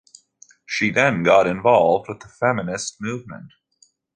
She then got involved with the feminist movement.